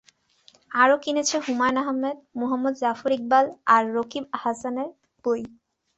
আরও কিনেছে হুমায়ূন আহমেদ, মুহম্মদ জাফর ইকবাল আর রকিব হাসানের বই।